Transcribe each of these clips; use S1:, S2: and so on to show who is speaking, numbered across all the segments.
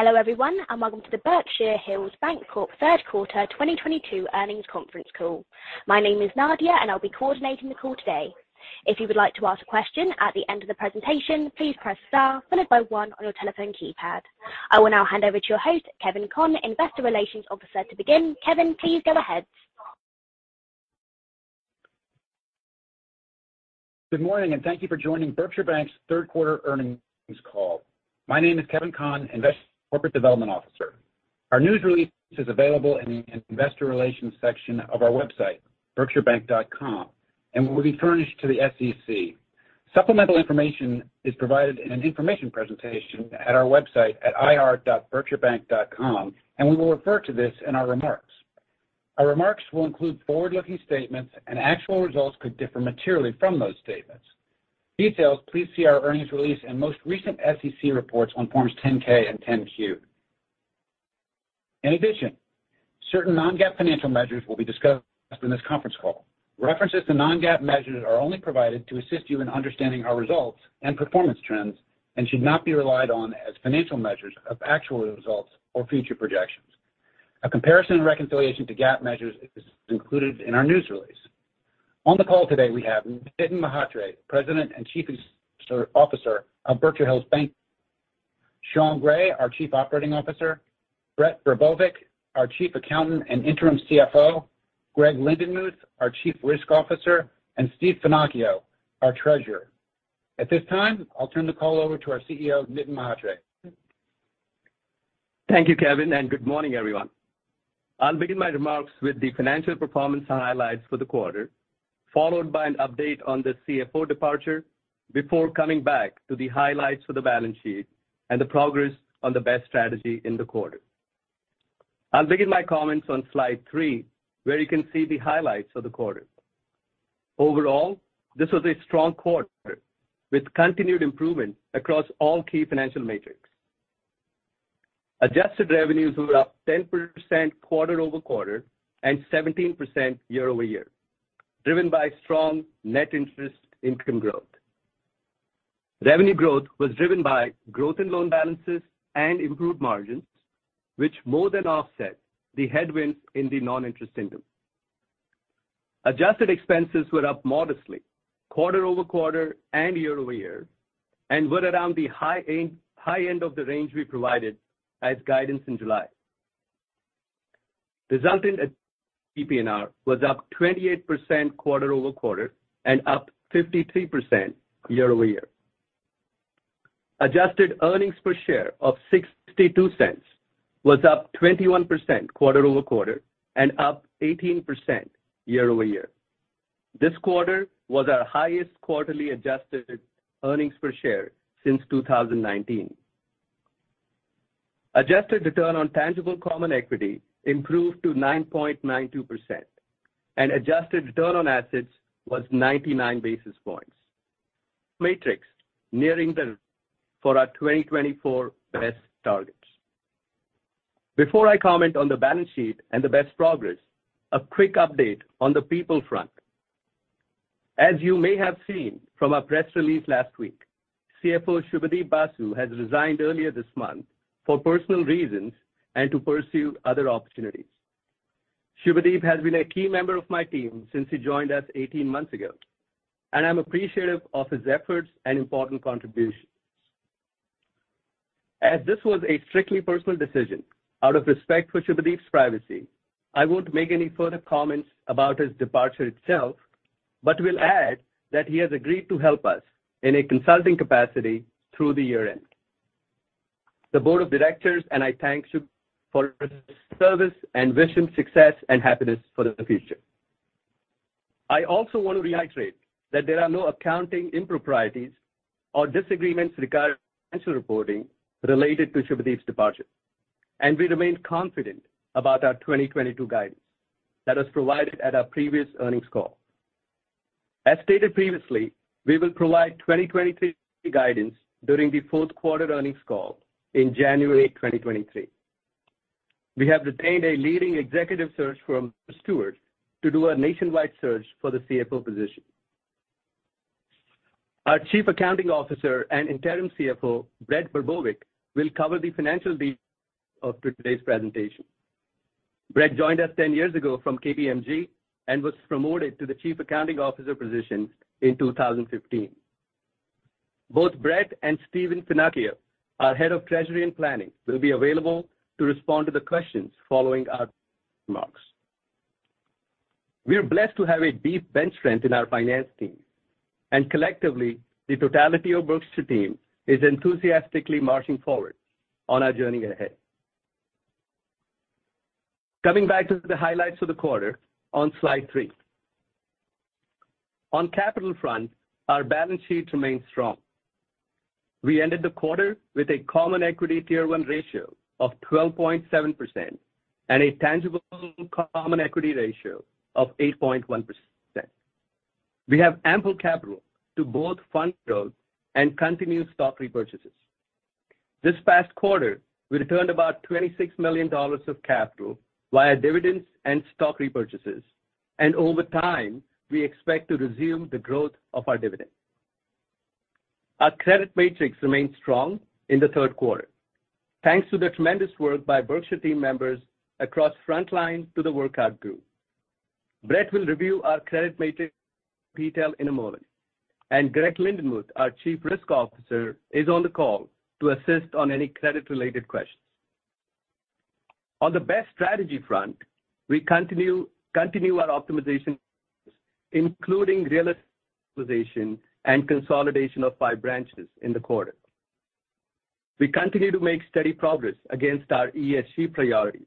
S1: Hello, everyone, and welcome to the Berkshire Hills Bancorp, Inc. Third Quarter 2022 Earnings Conference Call. My name is Nadia, and I'll be coordinating the call today. If you would like to ask a question at the end of the presentation, please press star followed by one on your telephone keypad. I will now hand over to your host, Kevin Conn, Investor Relations Officer to begin. Kevin, please go ahead.
S2: Good morning, and thank you for joining Berkshire Bank's third quarter earnings call. My name is Kevin Conn, Investor Corporate Development Officer. Our news release is available in the investor relations section of our website, berkshirebank.com, and will be furnished to the SEC. Supplemental information is provided in an information presentation at our website at ir.berkshirebank.com, and we will refer to this in our remarks. Our remarks will include forward-looking statements and actual results could differ materially from those statements. Details please see our earnings release and most recent SEC reports on Forms 10-K and 10-Q. In addition, certain non-GAAP financial measures will be discussed in this conference call. References to non-GAAP measures are only provided to assist you in understanding our results and performance trends and should not be relied on as financial measures of actual results or future projections. A comparison and reconciliation to GAAP measures is included in our news release. On the call today, we have Nitin Mhatre, President and Chief Executive Officer of Berkshire Bank, Sean Gray, our Chief Operating Officer, Brett Brbovic, our Chief Accountant and Interim CFO, Greg Lindenmuth, our Chief Risk Officer, and Steve Finocchio, our Treasurer. At this time, I'll turn the call over to our CEO, Nitin Mhatre.
S3: Thank you, Kevin, and good morning, everyone. I'll begin my remarks with the financial performance highlights for the quarter, followed by an update on the CFO departure before coming back to the highlights for the balance sheet and the progress on the BEST strategy in the quarter. I'll begin my comments on slide 3, where you can see the highlights of the quarter. Overall, this was a strong quarter with continued improvement across all key financial metrics. Adjusted revenues were up 10% quarter-over-quarter and 17% year-over-year, driven by strong net interest income growth. Revenue growth was driven by growth in loan balances and improved margins, which more than offset the headwinds in the non-interest income. Adjusted expenses were up modestly quarter-over-quarter and year-over-year and were around the high end of the range we provided as guidance in July. Resulting PPNR was up 28% quarter-over-quarter and up 53% year-over-year. Adjusted earnings per share of $0.62 was up 21% quarter-over-quarter and up 18% year-over-year. This quarter was our highest quarterly adjusted earnings per share since 2019. Adjusted return on tangible common equity improved to 9.92%, and adjusted return on assets was 99 basis points. Metrics nearing the top for our 2024 BEST targets. Before I comment on the balance sheet and the BEST progress, a quick update on the people front. As you may have seen from our press release last week, CFO Subhadeep Basu has resigned earlier this month for personal reasons and to pursue other opportunities. Subhadeep has been a key member of my team since he joined us eighteen months ago, and I'm appreciative of his efforts and important contributions. As this was a strictly personal decision, out of respect for Subhadeep's privacy, I won't make any further comments about his departure itself, but will add that he has agreed to help us in a consulting capacity through the year-end. The board of directors and I thank Subhadeep for his service and wish him success and happiness for the future. I also want to reiterate that there are no accounting improprieties or disagreements regarding financial reporting related to Subhadeep's departure, and we remain confident about our 2022 guidance that was provided at our previous earnings call. As stated previously, we will provide 2023 guidance during the fourth quarter earnings call in January 2023. We have retained a leading executive search firm, Spencer Stuart, to do a nationwide search for the CFO position. Our Chief Accounting Officer and Interim CFO, Brett Brbovic, will cover the financial details of today's presentation. Brett joined us 10 years ago from KPMG and was promoted to the Chief Accounting Officer position in 2015. Both Brett and Stephen Finocchio, our Head of Treasury and Planning, will be available to respond to the questions following our remarks. We are blessed to have a deep bench strength in our finance team. Collectively, the totality of Berkshire team is enthusiastically marching forward on our journey ahead. Coming back to the highlights of the quarter on slide three. On capital front, our balance sheet remains strong. We ended the quarter with a common equity tier one ratio of 12.7% and a tangible common equity ratio of 8.1%. We have ample capital to both fund growth and continue stock repurchases. This past quarter, we returned about $26 million of capital via dividends and stock repurchases. Over time, we expect to resume the growth of our dividend. Our credit metrics remained strong in the third quarter. Thanks to the tremendous work by Berkshire team members across frontline to the workout group. Brett will review our credit metrics detail in a moment. Greg Lindenmuth, our Chief Risk Officer, is on the call to assist on any credit-related questions. On the BEST strategy front, we continue our optimization, including real estate optimization and consolidation of five branches in the quarter. We continue to make steady progress against our ESG priorities.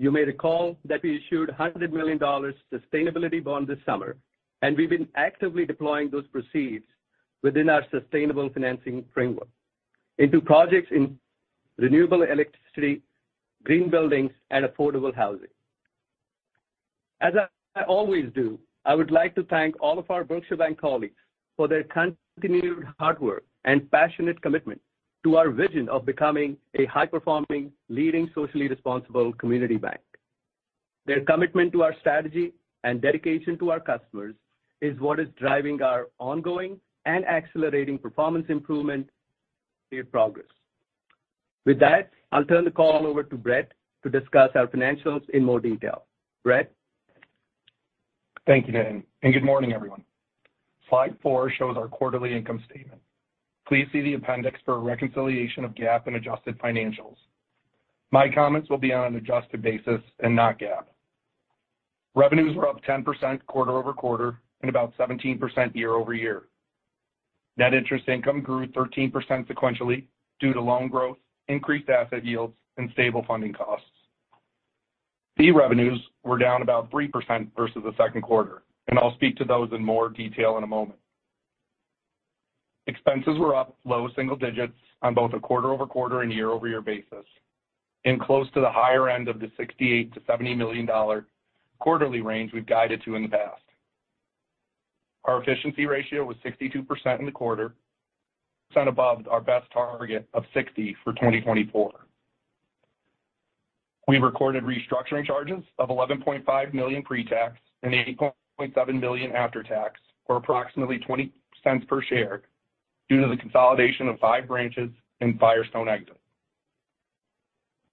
S3: You may recall that we issued $100 million sustainability bond this summer, and we've been actively deploying those proceeds within our sustainable financing framework into projects in renewable electricity, green buildings and affordable housing. As I always do, I would like to thank all of our Berkshire Bank colleagues for their continued hard work and passionate commitment to our vision of becoming a high-performing, leading, socially responsible community bank. Their commitment to our strategy and dedication to our customers is what is driving our ongoing and accelerating performance improvements. We've made progress. With that, I'll turn the call over to Brett to discuss our financials in more detail. Brett?
S4: Thank you, Nitin, and good morning, everyone. Slide four shows our quarterly income statement. Please see the appendix for a reconciliation of GAAP and adjusted financials. My comments will be on an adjusted basis and not GAAP. Revenues were up 10% quarter-over-quarter and about 17% year-over-year. Net interest income grew 13% sequentially due to loan growth, increased asset yields, and stable funding costs. Fee revenues were down about 3% versus the second quarter, and I'll speak to those in more detail in a moment. Expenses were up low single digits on both a quarter-over-quarter and year-over-year basis and close to the higher end of the $68 million-$70 million quarterly range we've guided to in the past. Our efficiency ratio was 62% in the quarter, 2% above our best target of 60 for 2024. We recorded restructuring charges of $11.5 million pre-tax and $8.7 million after tax, or approximately $0.20 per share due to the consolidation of five branches in Firestone exit.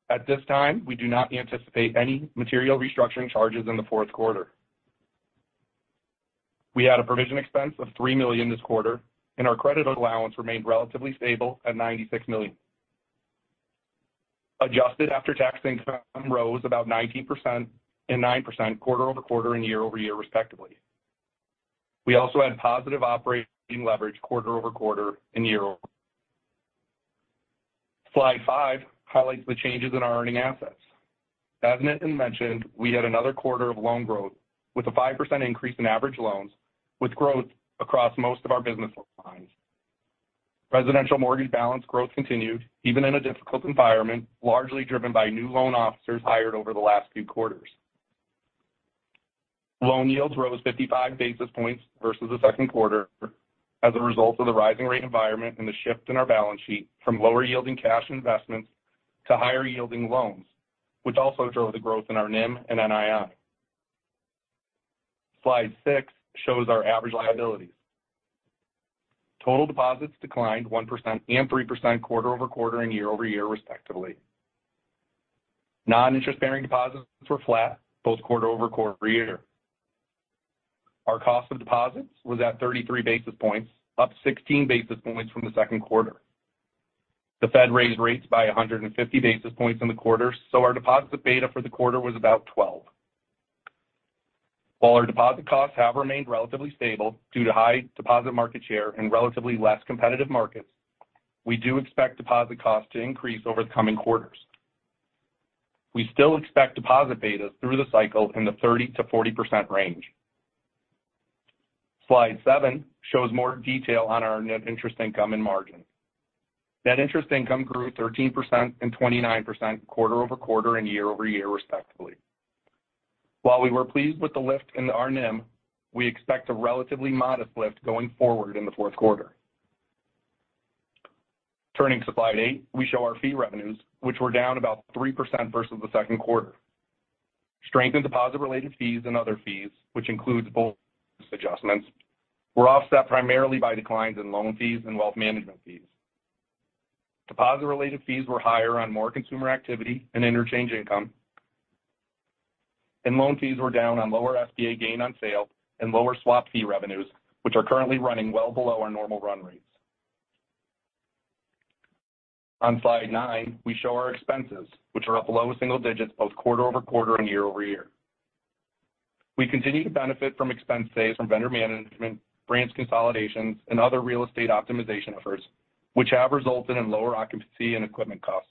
S4: At this time, we do not anticipate any material restructuring charges in the fourth quarter. We had a provision expense of $3 million this quarter, and our credit allowance remained relatively stable at $96 million. Adjusted after-tax income rose about 19% and 9% quarter-over-quarter and year-over-year, respectively. We also had positive operating leverage quarter-over-quarter and year-over. Slide five highlights the changes in our earning assets. As Nitin mentioned, we had another quarter of loan growth with a 5% increase in average loans, with growth across most of our business lines. Residential mortgage balance growth continued even in a difficult environment, largely driven by new loan officers hired over the last few quarters. Loan yields rose 55 basis points versus the second quarter as a result of the rising rate environment and the shift in our balance sheet from lower yielding cash investments to higher yielding loans, which also drove the growth in our NIM and NII. Slide six shows our average liabilities. Total deposits declined 1% and 3% quarter-over-quarter and year-over-year, respectively. Non-interest bearing deposits were flat both quarter-over-quarter and year-over-year. Our cost of deposits was at 33 basis points, up 16 basis points from the second quarter. The Fed raised rates by 150 basis points in the quarter, so our deposit beta for the quarter was about 12%. While our deposit costs have remained relatively stable due to high deposit market share and relatively less competitive markets, we do expect deposit costs to increase over the coming quarters. We still expect deposit betas through the cycle in the 30%-40% range. Slide seven shows more detail on our net interest income and margin. Net interest income grew 13% and 29% quarter-over-quarter and year-over-year, respectively. While we were pleased with the lift in our NIM, we expect a relatively modest lift going forward in the fourth quarter. Turning to slide eight, we show our fee revenues, which were down about 3% versus the second quarter. Strength in deposit related fees and other fees, which includes both adjustments, were offset primarily by declines in loan fees and wealth management fees. Deposit related fees were higher on more consumer activity and interchange income. Loan fees were down on lower SBA gain on sale and lower swap fee revenues, which are currently running well below our normal run rates. On slide nine, we show our expenses, which are up low single digits both quarter-over-quarter and year-over-year. We continue to benefit from expense saves from vendor management, branch consolidations, and other real estate optimization efforts, which have resulted in lower occupancy and equipment costs.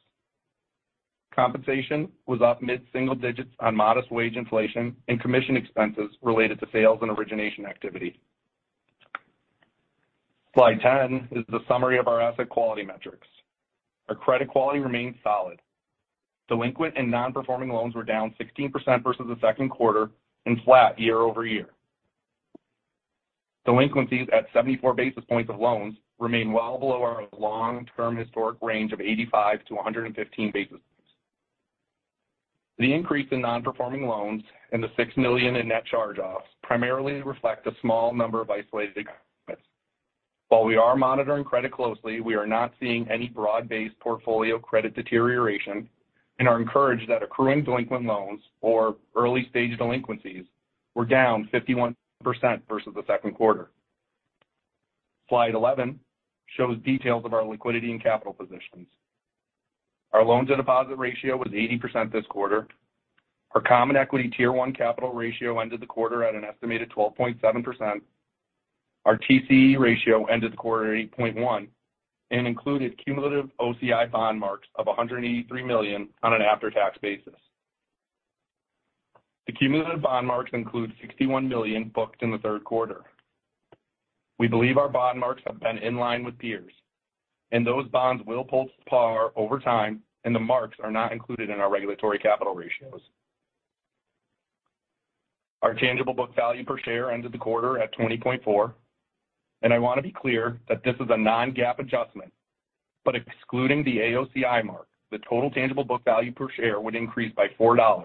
S4: Compensation was up mid-single digits on modest wage inflation and commission expenses related to sales and origination activity. Slide 10 is the summary of our asset quality metrics. Our credit quality remains solid. Delinquent and non-performing loans were down 16% versus the second quarter and flat year-over-year. Delinquencies at 74 basis points of loans remain well below our long-term historic range of 85-115 basis points. The increase in non-performing loans and the $6 million in net charge-offs primarily reflect a small number of isolated. While we are monitoring credit closely, we are not seeing any broad-based portfolio credit deterioration and are encouraged that accruing delinquent loans or early-stage delinquencies were down 51% versus the second quarter. Slide 11 shows details of our liquidity and capital positions. Our loans to deposit ratio was 80% this quarter. Our common equity tier one capital ratio ended the quarter at an estimated 12.7%. Our TCE ratio ended the quarter at 8.1 and included cumulative OCI bond marks of $183 million on an after-tax basis. The cumulative bond marks include $61 million booked in the third quarter. We believe our bond marks have been in line with peers, and those bonds will pull to par over time, and the marks are not included in our regulatory capital ratios. Our tangible book value per share ended the quarter at 20.4. I want to be clear that this is a non-GAAP adjustment, but excluding the AOCI mark, the total tangible book value per share would increase by $4,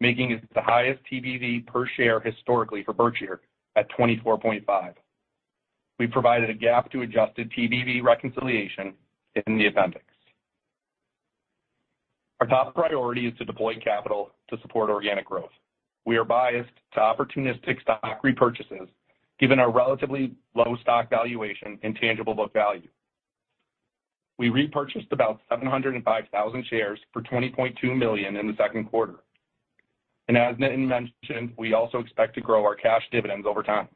S4: making it the highest TBV per share historically for Berkshire at 24.5. We provided a GAAP to adjusted TBV reconciliation in the appendix. Our top priority is to deploy capital to support organic growth. We are biased to opportunistic stock repurchases given our relatively low stock valuation and tangible book value. We repurchased about 705,000 shares for $20.2 million in the second quarter. As Nitin mentioned, we also expect to grow our cash dividends over time.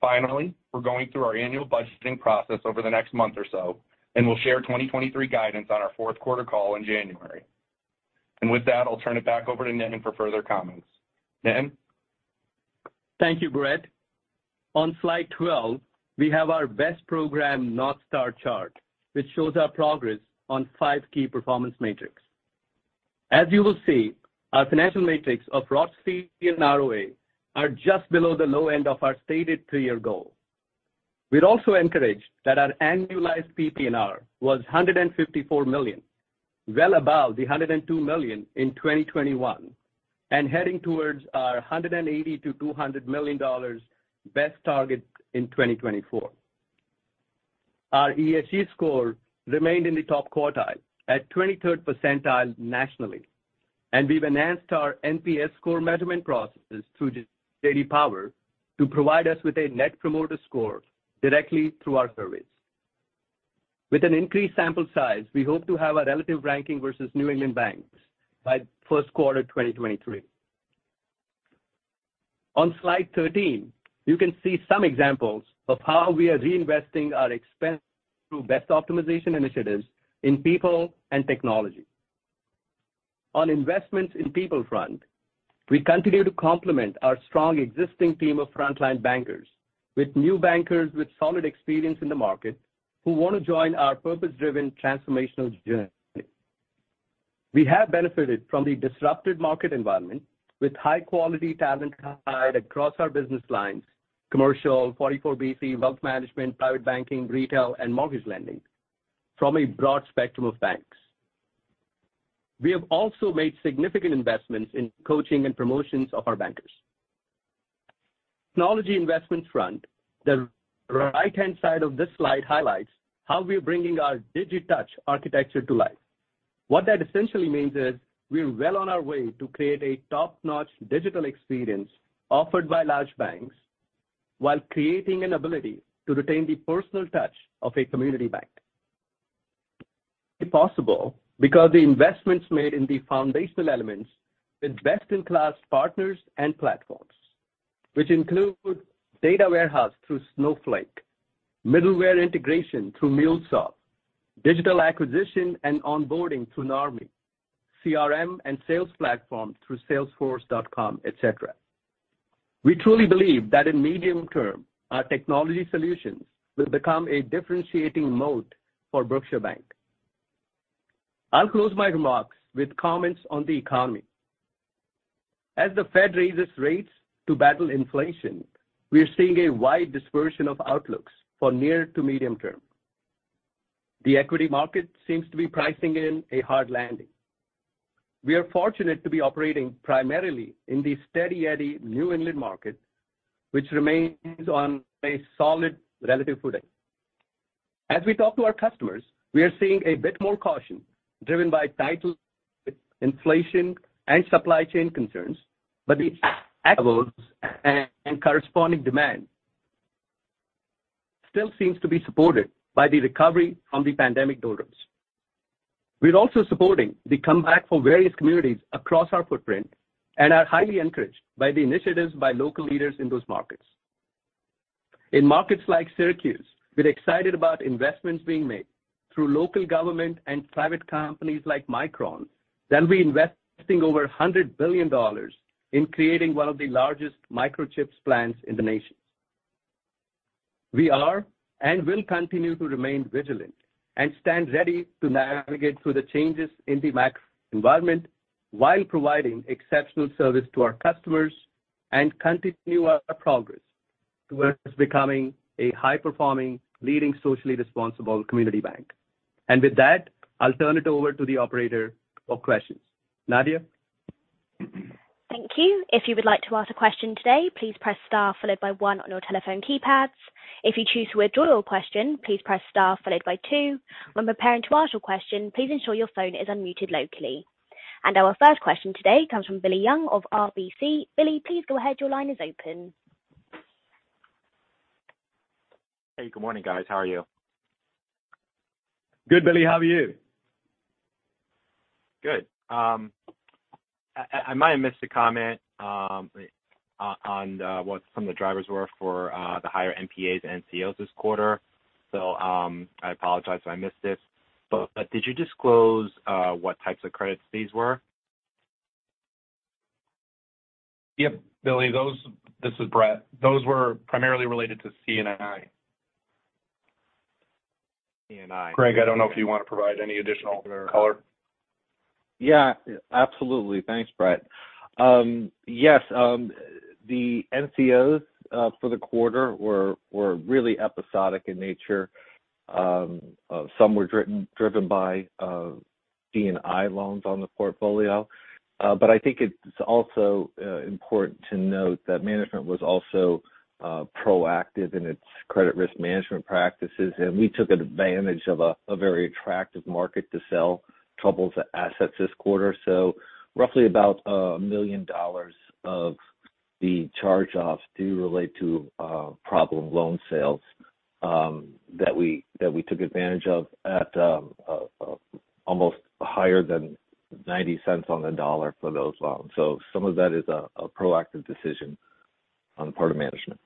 S4: Finally, we're going through our annual budgeting process over the next month or so, and we'll share 2023 guidance on our fourth quarter call in January. With that, I'll turn it back over to Nitin for further comments. Nitin?
S3: Thank you, Brett. On slide 12, we have our BEST program North Star chart, which shows our progress on five key performance metrics. As you will see, our financial metrics of ROFC and ROA are just below the low end of our stated three-year goal. We're also encouraged that our annualized PPNR was $154 million, well above the $102 million in 2021, and heading towards our $180 million-$200 million BEST target in 2024. Our ESG score remained in the top quartile at 23rd percentile nationally, and we've enhanced our NPS score measurement processes through J.D. Power to provide us with a net promoter score directly through our surveys. With an increased sample size, we hope to have a relative ranking versus New England banks by first quarter 2023. On slide 13, you can see some examples of how we are reinvesting our expense through BEST optimization initiatives in people and technology. On investments in people front, we continue to complement our strong existing team of frontline bankers with new bankers with solid experience in the market who want to join our purpose-driven transformational journey. We have benefited from the disrupted market environment with high-quality talent hired across our business lines, commercial, 44 BC, wealth management, private banking, retail, and mortgage lending from a broad spectrum of banks. We have also made significant investments in coaching and promotions of our bankers. Technology investment front, the right-hand side of this slide highlights how we are bringing our DigiTouch architecture to life. What that essentially means is we are well on our way to create a top-notch digital experience offered by large banks while creating an ability to retain the personal touch of a community bank. It's possible because the investments made in the foundational elements with best-in-class partners and platforms, which include data warehouse through Snowflake, middleware integration through MuleSoft, digital acquisition and onboarding through Narmi, CRM and sales platform through salesforce.com, et cetera. We truly believe that in medium term, our technology solutions will become a differentiating mode for Berkshire Bank. I'll close my remarks with comments on the economy. As the Fed raises rates to battle inflation, we are seeing a wide dispersion of outlooks for near to medium term. The equity market seems to be pricing in a hard landing. We are fortunate to be operating primarily in the steady-eddy New England market, which remains on a solid relative footing. As we talk to our customers, we are seeing a bit more caution driven by high inflation and supply chain concerns, but the corresponding demand still seems to be supported by the recovery from the pandemic doldrums. We're also supporting the comeback for various communities across our footprint and are highly encouraged by the initiatives by local leaders in those markets. In markets like Syracuse, we're excited about investments being made through local government and private companies like Micron that will be investing over $100 billion in creating one of the largest microchips plants in the nation. We are and will continue to remain vigilant and stand ready to navigate through the changes in the macro environment while providing exceptional service to our customers and continue our progress towards becoming a high-performing, leading, socially responsible community bank. With that, I'll turn it over to the operator for questions. Nadia?
S1: Thank you. If you would like to ask a question today, please press star followed by one on your telephone keypads. If you choose to withdraw your question, please press star followed by two. When preparing to ask your question, please ensure your phone is unmuted locally. Our first question today comes from Billy Young of RBC. Billy, please go ahead. Your line is open.
S5: Hey, good morning, guys. How are you?
S3: Good, Billy. How are you?
S5: Good. I might have missed a comment on what some of the drivers were for the higher NPAs and NCOs this quarter. I apologize if I missed this, but did you disclose what types of credits these were?
S4: Yep, Billy, this is Brett. Those were primarily related to C&I.
S5: C&I.
S4: Greg, I don't know if you wanna provide any additional color.
S6: Yeah. Absolutely. Thanks, Brett. Yes, the NCOs for the quarter were really episodic in nature. Some were driven by C&I loans on the portfolio. I think it's also important to note that management was also proactive in its credit risk management practices. We took advantage of a very attractive market to sell troubled assets this quarter. Roughly about $1 million of the charge-offs do relate to problem loan sales that we took advantage of at almost higher than $0.90 on the dollar for those loans. Some of that is a proactive decision on the part of management.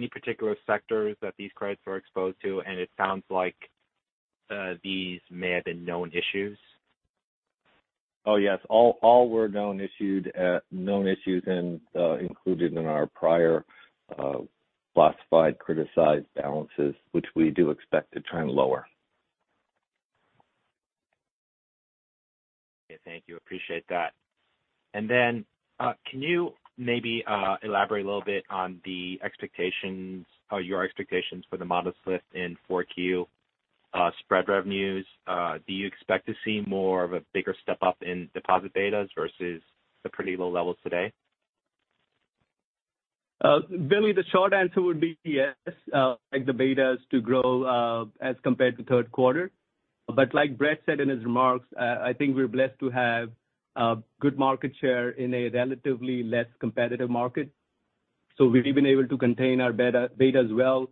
S5: Any particular sectors that these credits were exposed to? It sounds like these may have been known issues.
S6: Oh, yes. All were known issues and included in our prior classified criticized balances, which we do expect to trend lower.
S5: Okay. Thank you. Appreciate that. Can you maybe elaborate a little bit on the expectations or your expectations for the model shift in 4Q spread revenues? Do you expect to see more of a bigger step up in deposit betas versus the pretty low levels today?
S3: Bill, the short answer would be yes. Expect the betas to grow as compared to third quarter. Like Brett said in his remarks, I think we're blessed to have good market share in a relatively less competitive market. We've been able to contain our betas well.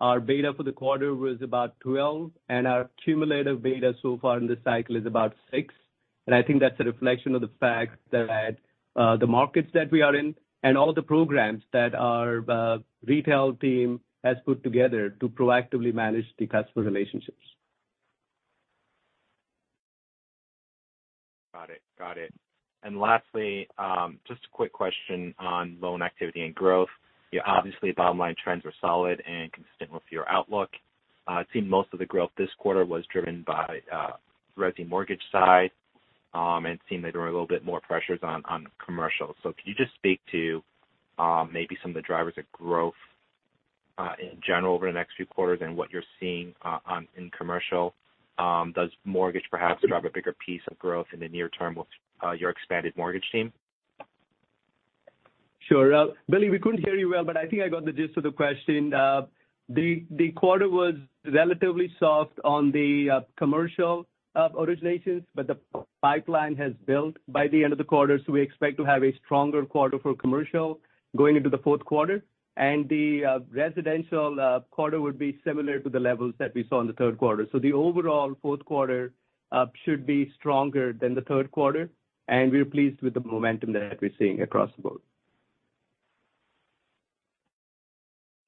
S3: Our beta for the quarter was about 12, and our cumulative beta so far in this cycle is about six. I think that's a reflection of the fact that the markets that we are in and all the programs that our retail team has put together to proactively manage the customer relationships.
S5: Got it. Lastly, just a quick question on loan activity and growth. Obviously, bottom line trends are solid and consistent with your outlook. It seemed most of the growth this quarter was driven by resi mortgage side, and it seemed there were a little bit more pressures on commercial. Can you just speak to maybe some of the drivers of growth in general over the next few quarters and what you're seeing in commercial? Does mortgage perhaps drive a bigger piece of growth in the near term with your expanded mortgage team?
S3: Sure. Billy, we couldn't hear you well, but I think I got the gist of the question. The quarter was relatively soft on the commercial originations, but the pipeline has built by the end of the quarter. We expect to have a stronger quarter for commercial going into the fourth quarter. The residential quarter would be similar to the levels that we saw in the third quarter. The overall fourth quarter should be stronger than the third quarter, and we're pleased with the momentum that we're seeing across the board.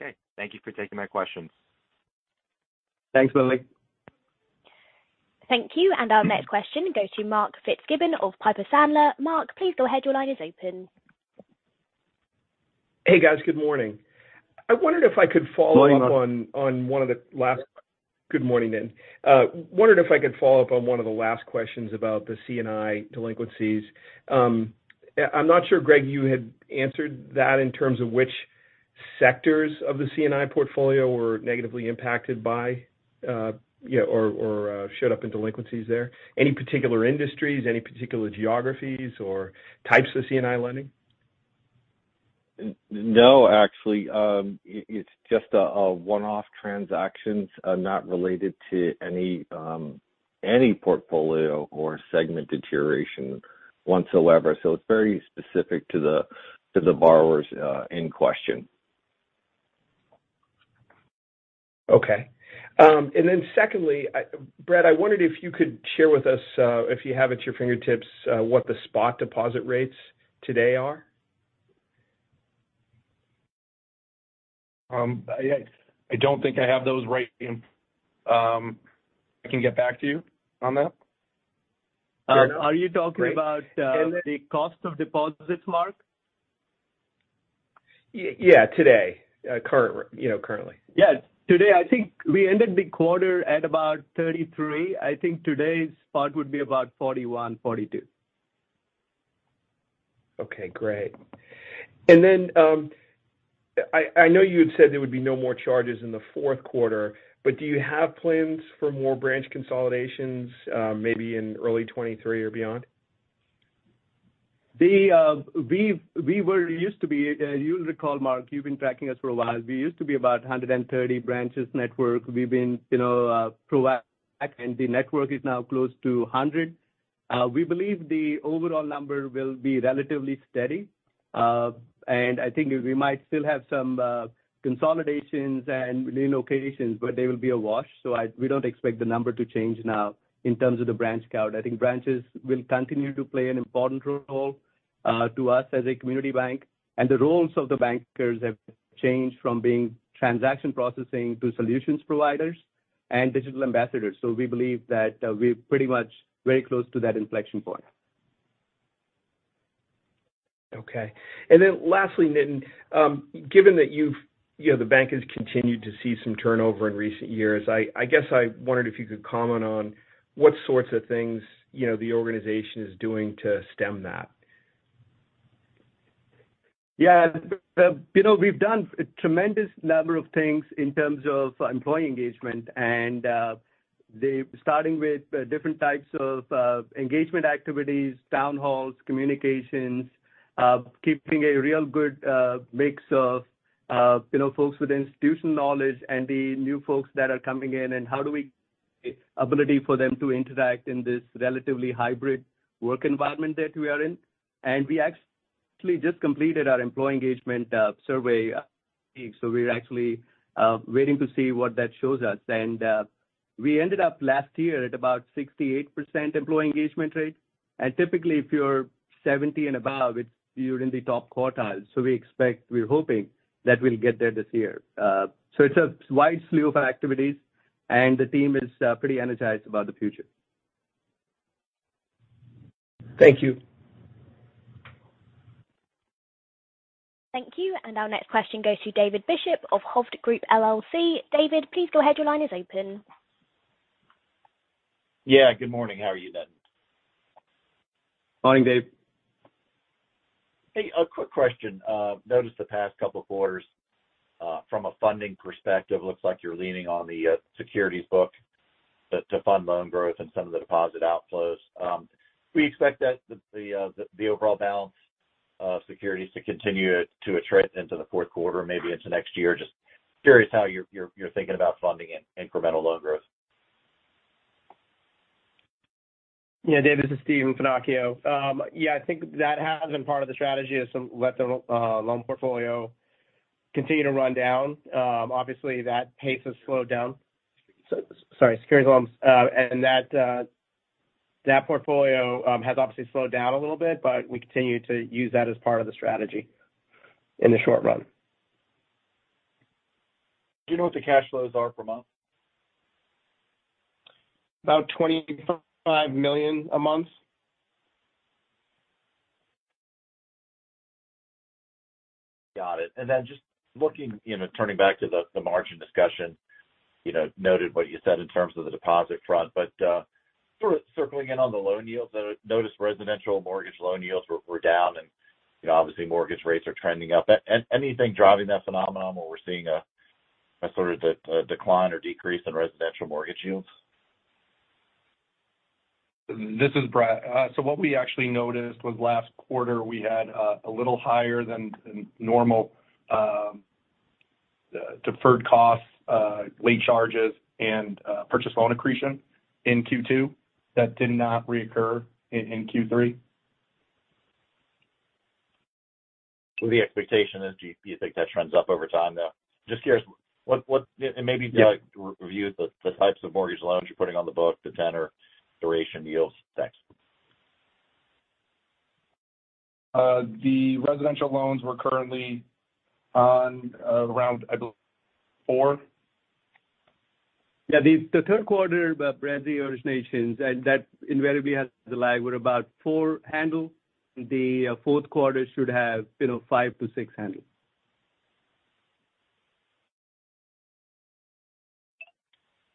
S5: Okay. Thank you for taking my questions.
S3: Thanks, Billy.
S1: Thank you. Our next question goes to Mark Fitzgibbon of Piper Sandler. Mark, please go ahead. Your line is open.
S7: Hey, guys. Good morning. I wondered if I could follow up.
S3: Good morning.
S7: Good morning then. Wondered if I could follow up on one of the last questions about the C&I delinquencies. I'm not sure, Greg, you had answered that in terms of which sectors of the C&I portfolio were negatively impacted by, you know, or showed up in delinquencies there. Any particular industries, any particular geographies or types of C&I lending?
S6: No, actually. It's just a one-off transactions, not related to any portfolio or segment deterioration whatsoever. It's very specific to the borrowers in question.
S7: Okay. Secondly, Brett, I wondered if you could share with us, if you have at your fingertips, what the spot deposit rates today are. I don't think I have those right here. I can get back to you on that.
S3: Are you talking about the cost of deposits, Mark?
S7: Yeah. Today, you know, currently.
S3: Yes. Today, I think we ended the quarter at about 33. I think today's spot would be about 41-42.
S7: Okay, great. I know you had said there would be no more charges in the fourth quarter, but do you have plans for more branch consolidations, maybe in early 2023 or beyond?
S3: You'll recall, Mark, you've been tracking us for a while. We used to be about 130 branches network. The network is now close to 100. We believe the overall number will be relatively steady. I think we might still have some consolidations and relocations, but they will be awash. We don't expect the number to change now in terms of the branch count. I think branches will continue to play an important role to us as a community bank. The roles of the bankers have changed from being transaction processing to solutions providers and digital ambassadors. We believe that, we're pretty much very close to that inflection point.
S7: Okay. Lastly, Nitin, given that you know, the bank has continued to see some turnover in recent years, I guess I wondered if you could comment on what sorts of things, you know, the organization is doing to stem that.
S3: Yeah. You know, we've done a tremendous number of things in terms of employee engagement and starting with different types of engagement activities, town halls, communications, keeping a real good mix of, you know, folks with institutional knowledge and the new folks that are coming in and how we enable them to interact in this relatively hybrid work environment that we are in. We actually just completed our employee engagement survey. We're actually waiting to see what that shows us. We ended up last year at about 68% employee engagement rate. Typically, if you're 70 and above, it's you're in the top quartile. We expect, we're hoping that we'll get there this year. It's a wide slew of activities and the team is pretty energized about the future.
S7: Thank you.
S1: Thank you. Our next question goes to David Bishop of Hovde Group, LLC. David, please go ahead. Your line is open.
S8: Yeah. Good morning. How are you, Nitin?
S3: Morning, Dave.
S8: Hey, a quick question. Noticed the past couple of quarters, from a funding perspective, looks like you're leaning on the securities book to fund loan growth and some of the deposit outflows. We expect that the overall balance of securities to continue to attrit into the fourth quarter, maybe into next year. Just curious how you're thinking about funding in incremental loan growth?
S9: Yeah. David, this is Stephen Finocchio. Yeah, I think that has been part of the strategy is to let the loan portfolio continue to run down. Obviously that pace has slowed down. Sorry, securities loans, and that portfolio has obviously slowed down a little bit, but we continue to use that as part of the strategy in the short run.
S8: Do you know what the cash flows are per month?
S9: About $25 million a month.
S8: Got it. Just looking, turning back to the margin discussion, noted what you said in terms of the deposit front, but sort of circling in on the loan yields. I noticed residential mortgage loan yields were down and, obviously, mortgage rates are trending up. Anything driving that phenomenon where we're seeing a sort of the decline or decrease in residential mortgage yields?
S4: This is Brett. What we actually noticed was last quarter we had a little higher than normal deferred costs, late charges and purchase loan accretion in Q2 that did not reoccur in Q3.
S8: The expectation is, do you think that trends up over time, though? Just curious what and maybe if you like review the types of mortgage loans you're putting on the books, the tenor duration yields. Thanks.
S4: The residential loans were currently on around, I believe, 4%.
S3: Yeah. The third quarter branch originations and that invariably has the lag were about four handle. The fourth quarter should have, you know, five to six handle.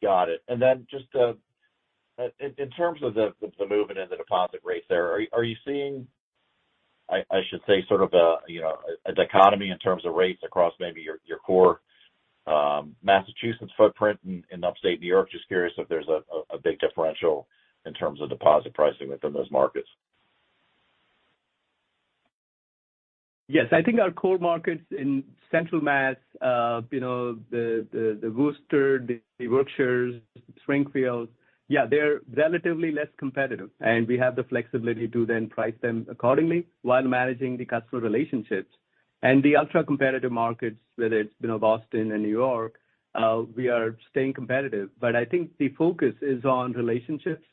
S8: Got it. Just in terms of the movement in the deposit rates there, are you seeing, I should say sort of a, you know, a dichotomy in terms of rates across maybe your core Massachusetts footprint in Upstate New York? Just curious if there's a big differential in terms of deposit pricing within those markets.
S3: Yes. I think our core markets in Central Mass, you know, the Worcester, the Berkshires, Springfield, they're relatively less competitive, and we have the flexibility to then price them accordingly while managing the customer relationships. The ultra-competitive markets, whether it's, you know, Boston and New York, we are staying competitive. I think the focus is on relationships.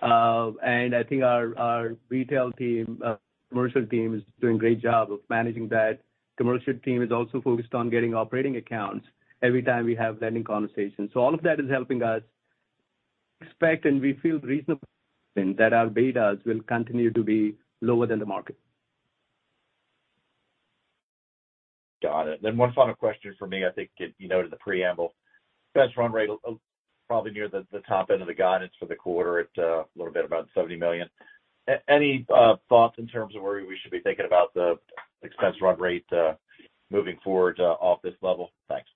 S2: I think our retail team, commercial team is doing a great job of managing that. Commercial team is also focused on getting operating accounts every time we have lending conversations. All of that is helping us expect, and we feel reasonable in that our betas will continue to be lower than the market.
S8: Got it. One final question for me. I think it, you know, to the preamble. Expense run rate probably near the top end of the guidance for the quarter at a little bit about $70 million. Any thoughts in terms of where we should be thinking about the expense run rate moving forward off this level? Thanks.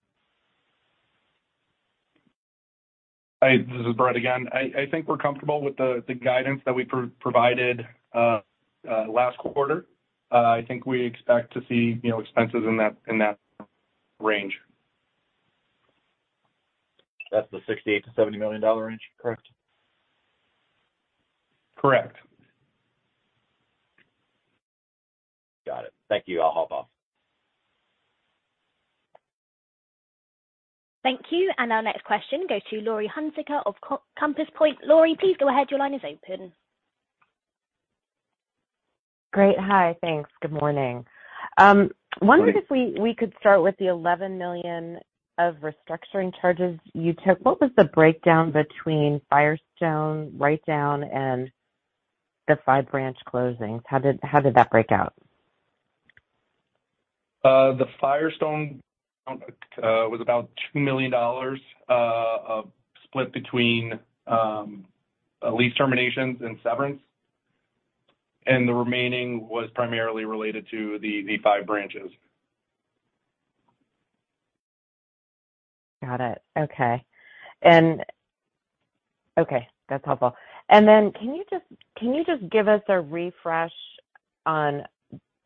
S4: Hi, this is Brett again. I think we're comfortable with the guidance that we provided last quarter. I think we expect to see, you know, expenses in that range.
S8: That's the $68 million-$70 million range, correct?
S4: Correct.
S8: Got it. Thank you. I'll hop off.
S1: Thank you. Our next question goes to Laurie Hunsicker of Compass Point. Laurie, please go ahead. Your line is open.
S10: Great. Hi. Thanks. Good morning.
S2: Good morning.
S10: Wondering if we could start with the $11 million of restructuring charges you took. What was the breakdown between Firestone write-down and the 5 branch closings? How did that break out?
S4: The Firestone Financial was about $2 million split between lease terminations and severance, and the remaining was primarily related to the five branches.
S10: Got it. Okay. Okay, that's helpful. Then can you just give us a refresh on,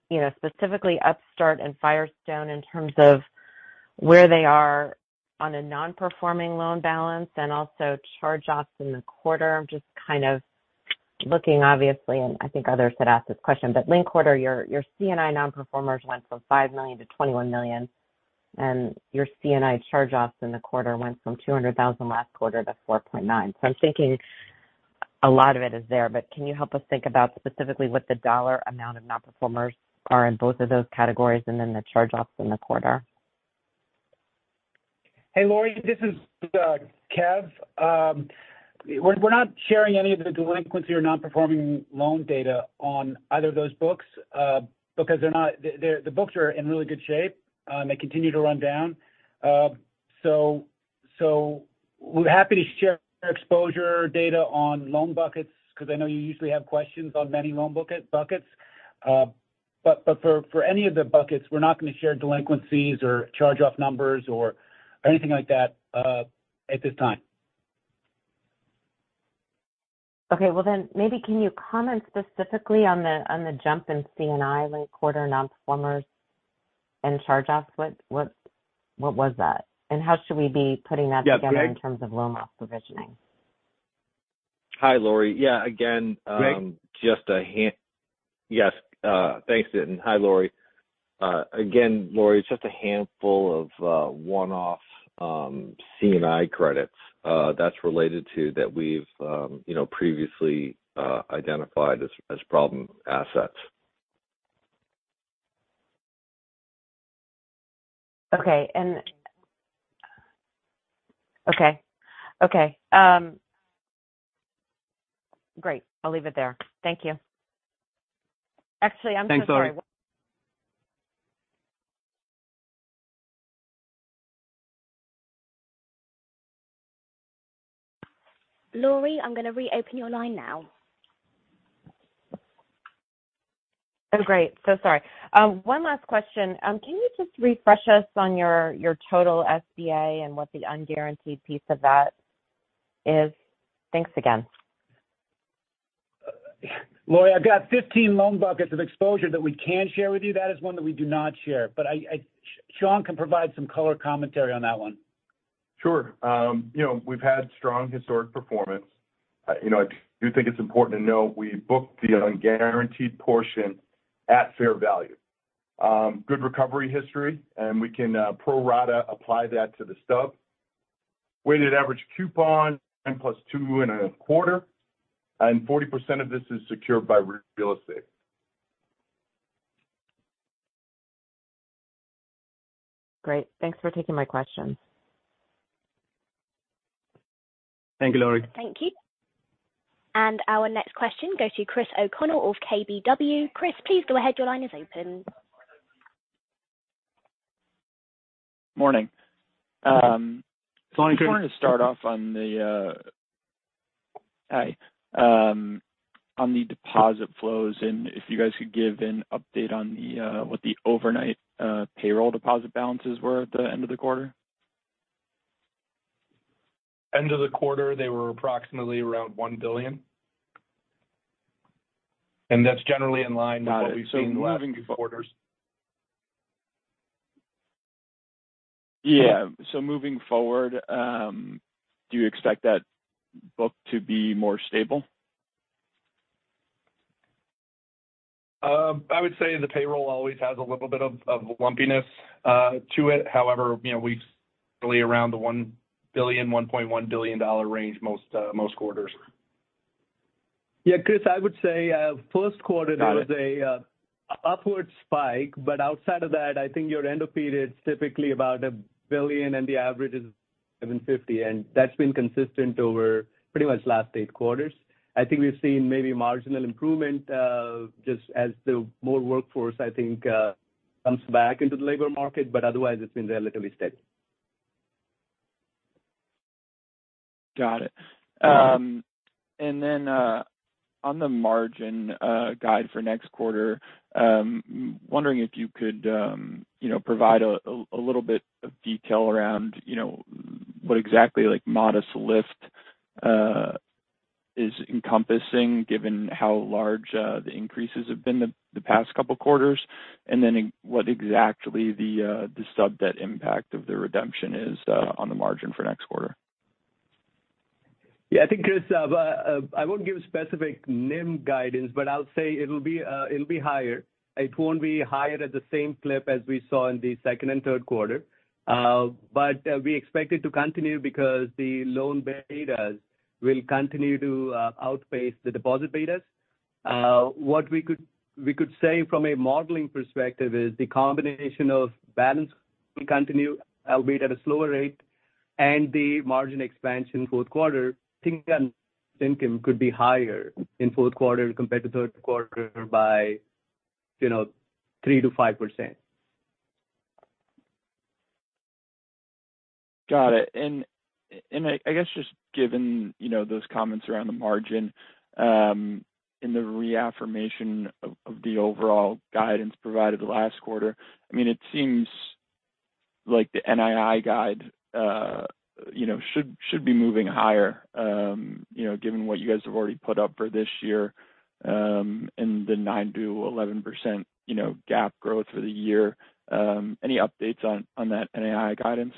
S10: you know, specifically Upstart and Firestone in terms of where they are on a non-performing loan balance and also charge-offs in the quarter? I'm just kind of looking, obviously. I think others had asked this question, but linked quarter your C&I nonperformers went from $5 million to $21 million, and your C&I charge-offs in the quarter went from $200,000 last quarter to $4.9 million. I'm thinking a lot of it is there, but can you help us think about specifically what the dollar amount of nonperformers are in both of those categories and then the charge-offs in the quarter?
S2: Hey, Laurie, this is Kev. We're not sharing any of the delinquency or non-performing loan data on either of those books because the books are in really good shape. They continue to run down. So we're happy to share exposure data on loan buckets because I know you usually have questions on many loan buckets. But for any of the buckets, we're not going to share delinquencies or charge-off numbers or anything like that at this time.
S10: Okay. Well, maybe can you comment specifically on the jump in C&I linked quarter nonperformers and charge-offs? What was that? How should we be putting that together?
S6: Yeah. Greg?
S10: In terms of loan loss provisioning?
S6: Hi, Laurie. Yeah, again.
S2: Greg?
S6: Yes, thanks. Hi, Laurie. Again, Laurie, it's just a handful of one-off C&I credits that's related to that we've you know previously identified as problem assets.
S10: Okay. Great. I'll leave it there. Thank you. Actually, I'm so sorry.
S6: Thanks, Laurie.
S1: Laurie, I'm going to reopen your line now.
S10: Oh, great. Sorry. One last question. Can you just refresh us on your total SBA and what the unguaranteed piece of that is? Thanks again.
S2: Laurie, I've got 15 loan buckets of exposure that we can share with you. That is one that we do not share. Sean can provide some color commentary on that one.
S4: Sure. You know, we've had strong historic performance. You know, I do think it's important to know we booked the unguaranteed portion at fair value. Good recovery history, and we can pro rata apply that to the stub. Weighted average coupon, 10 + 2.25, and 40% of this is secured by real estate.
S10: Great. Thanks for taking my questions.
S2: Thank you, Laurie.
S1: Thank you. Our next question goes to Christopher O'Connell of KBW. Chris, please go ahead. Your line is open.
S11: Morning.
S2: Morning, Chris.
S11: I just wanted to start off on the deposit flows, and if you guys could give an update on what the overnight payroll deposit balances were at the end of the quarter.
S4: End of the quarter, they were approximately around $1 billion. That's generally in line with what we've seen in previous quarters.
S11: Got it. Yeah. Moving forward, do you expect that book to be more stable?
S4: I would say the payroll always has a little bit of lumpiness to it. However, you know, we've really around the $1 billion-$1.1 billion range most quarters.
S3: Yeah, Chris, I would say first quarter.
S4: Got it.
S3: There was an upward spike. Outside of that, I think your end of period is typically about $1 billion and the average is $750 million, and that's been consistent over pretty much the last eight quarters. I think we've seen maybe marginal improvement, just as more of the workforce I think comes back into the labor market, but otherwise it's been relatively steady.
S11: Got it. On the margin guide for next quarter, wondering if you could, you know, provide a little bit of detail around, you know, what exactly like modest lift is encompassing given how large the increases have been the past couple quarters. What exactly the sub-debt impact of the redemption is on the margin for next quarter.
S3: I think, Chris, I won't give specific NIM guidance, but I'll say it'll be higher. It won't be higher at the same clip as we saw in the second and third quarter. We expect it to continue because the loan betas will continue to outpace the deposit betas. What we could say from a modeling perspective is the combination of balance will continue, albeit at a slower rate, and the margin expansion fourth quarter. I think net income could be higher in fourth quarter compared to third quarter by, you know, 3%-5%.
S11: Got it. I guess just given, you know, those comments around the margin, and the reaffirmation of the overall guidance provided last quarter. I mean, it seems like the NII guide, you know, should be moving higher, you know, given what you guys have already put up for this year, and the 9%-11% GAAP growth for the year. Any updates on that NII guidance?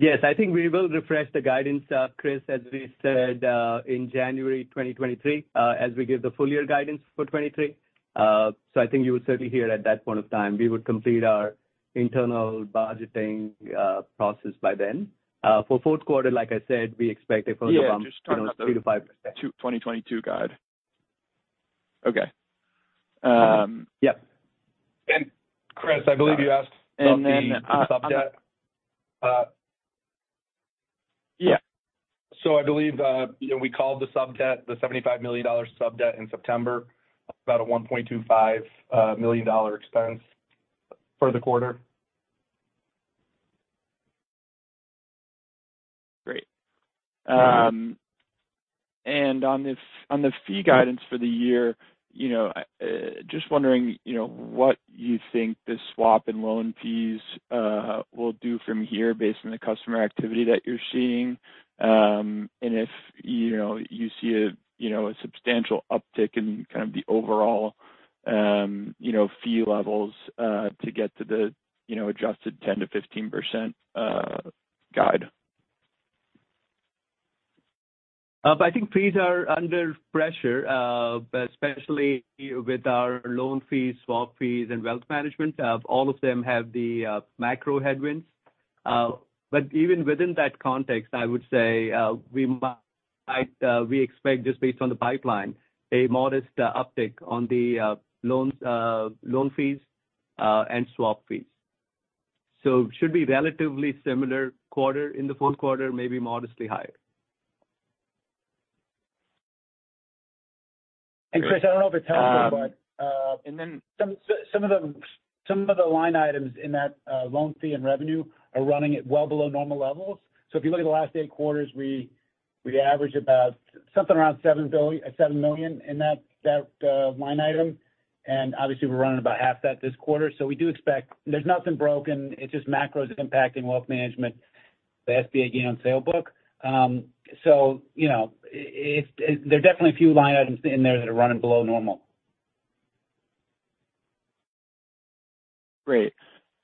S3: Yes. I think we will refresh the guidance, Chris, as we said, in January 2023, as we give the full year guidance for 2023. I think you will certainly hear it at that point of time. We would complete our internal budgeting process by then. For fourth quarter, like I said, we expect it for.
S4: Yeah.
S3: 3%-5%.
S11: 2022 guide. Okay.
S3: Yeah.
S4: Chris, I believe you asked about the sub-debt.
S11: Yeah.
S4: I believe, you know, we called the sub-debt, the $75 million sub-debt in September, about a $1.25 million expense for the quarter.
S11: Great. On the fee guidance for the year, you know, just wondering, you know, what you think the swap and loan fees will do from here based on the customer activity that you're seeing. If, you know, you see a, you know, a substantial uptick in kind of the overall, you know, fee levels to get to the, you know, adjusted 10%-15% guide.
S3: I think fees are under pressure, especially with our loan fees, swap fees, and wealth management. All of them have the macro headwinds. Even within that context, I would say we expect just based on the pipeline, a modest uptick on the loan fees and swap fees. Should be relatively similar quarter in the fourth quarter, maybe modestly higher.
S2: Chris, I don't know if it's helpful but some of the line items in that loan fee and revenue are running at well below normal levels. If you look at the last eight quarters, we average about something around $7 million in that line item. Obviously we're running about half that this quarter. We do expect. There's nothing broken. It's just macros impacting wealth management, the SBA gain on sale book. You know, there are definitely a few line items in there that are running below normal.
S11: Great.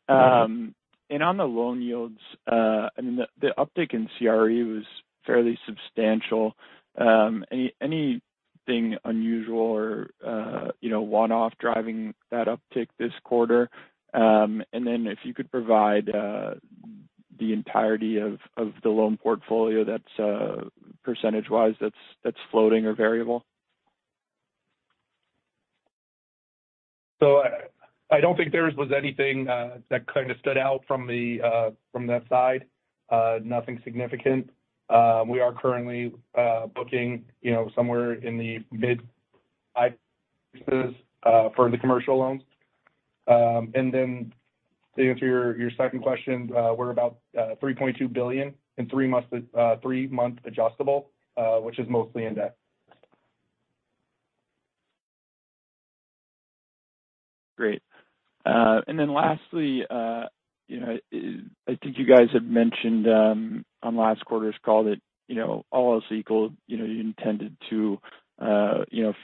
S11: On the loan yields, I mean, the uptick in CRE was fairly substantial. Anything unusual or, you know, one-off driving that uptick this quarter? If you could provide the entirety of the loan portfolio that's percentage-wise that's floating or variable.
S4: I don't think there was anything that kind of stood out from that side. Nothing significant. We are currently booking, you know, somewhere in the mid-high for the commercial loans. To answer your second question, we're about $3.2 billion in three-month adjustable, which is mostly indexed.
S11: Great. Lastly, you know, I think you guys have mentioned on last quarter's call that, you know, all else equal, you know, you intended to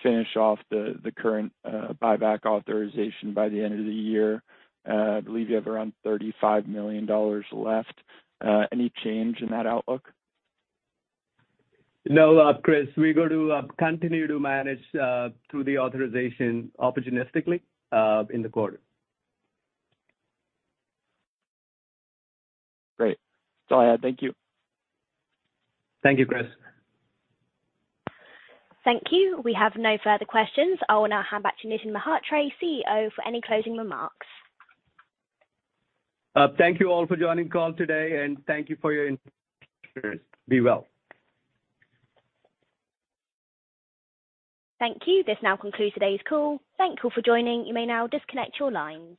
S11: finish off the current buyback authorization by the end of the year. I believe you have around $35 million left. Any change in that outlook?
S3: No, Chris O'Connell, we're going to continue to manage through the origination opportunistically in the quarter.
S11: Great. That's all I had. Thank you.
S3: Thank you, Chris.
S1: Thank you. We have no further questions. I will now hand back to Nitin Mhatre, CEO, for any closing remarks.
S3: Thank you all for joining call today, and thank you for your. Be well.
S1: Thank you. This now concludes today's call. Thank you for joining. You may now disconnect your lines.